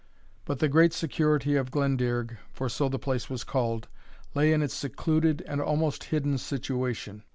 But the great security of Glendearg, for so the place was called, lay in its secluded, and almost hidden situation.